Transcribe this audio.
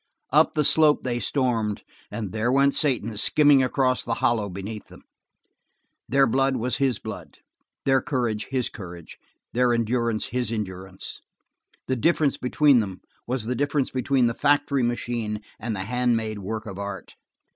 Up the slope they stormed and there went Satan skimming across the hollow beneath them. Their blood was his blood, their courage his courage, their endurance his endurance. The difference between them was the difference between the factory machine and the hand made work of art.